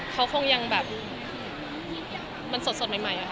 เขาคงยังแบบมันสดใหม่อะค่ะ